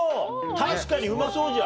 確かにうまそうじゃん。